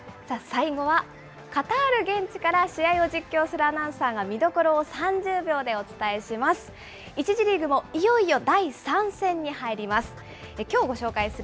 最後はカタール現地から試合を実況するアナウンサーが見どころを３０秒でお伝えします。